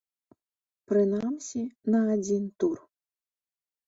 Прынамсі, на адзін тур.